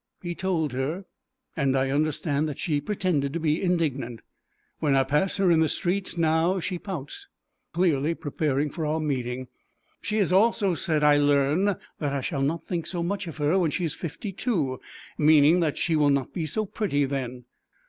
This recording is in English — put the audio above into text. He told her, and I understand that she pretended to be indignant. When I pass her in the street now she pouts. Clearly preparing for our meeting. She has also said, I learn, that I shall not think so much of her when she is fifty two, meaning that she will not be so pretty then.